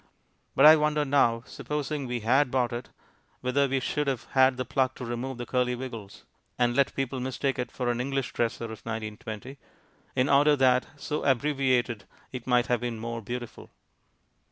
But I wonder now, supposing we had bought it, whether we should have had the pluck to remove the curley wiggles (and let people mistake it for an English dresser of 1920) in order that, so abbreviated, it might have been more beautiful.